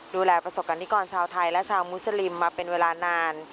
ดูแลประสบกรณิกรชาวไทยและชาวมุสลิมมาเป็นเวลานาน